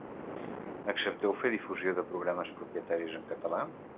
Accepteu fer difusió de programes propietaris en català?